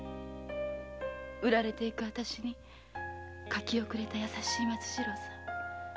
売られて行く私に柿をくれた優しい松次郎さん。